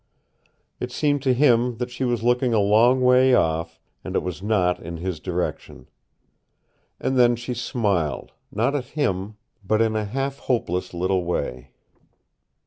It seemed to him that she was looking a long way off, and it was not in his direction. And then she smiled, not at him, but in a half hopeless little way.